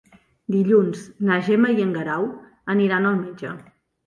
Dilluns na Gemma i en Guerau aniran al metge.